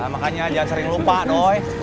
makanya jangan sering lupa dong